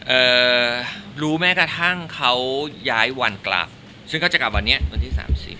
เอ่อรู้แม้กระทั่งเขาย้ายวันกลับซึ่งก็จะกลับวันนี้วันที่สามสิบ